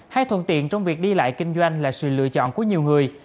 hay thuận tiện trong việc đi lại kinh doanh là sự lựa chọn của nhiều người